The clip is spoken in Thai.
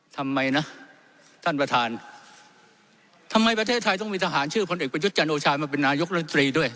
ทำไมนะท่านประธานทำไมประเทศไทยต้องมีทหารชื่อพลเอกประยุทธ์จันทร์โอชามาเป็นนายกรัฐมนตรีด้วย